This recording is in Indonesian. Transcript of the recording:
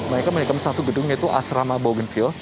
mereka menikmati satu gedung yaitu asrama bougainville